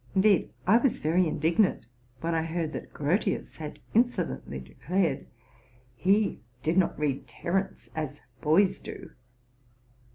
Indeed, I was very indignant when I heard that Grotius had insolently declared, '' he did not read Terence as boys do."